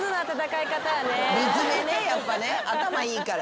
理詰めねやっぱね頭いいから。